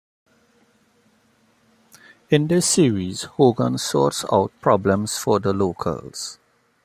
In the series Hogan sorts out problems for the locals.